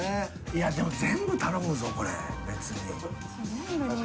いやでも全部頼むぞこれ別に。